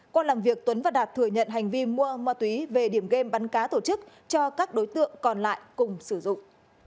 qua làm việc tuấn và đạt thừa nhận hành vi mua ma túy về điểm game bắn cá tổ chức cho các đối tượng còn lại cùng sử dụng